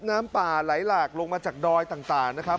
น้ำป่าไหลหลากลงมาจากดอยต่างนะครับ